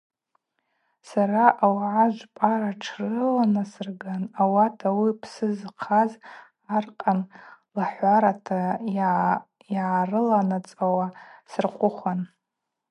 Сара ауагӏа жвпӏара тшрыланасырган ауат ауи псы зхъаз аркъан лахӏварата йгӏарыланацӏауа сырхъвыхуан.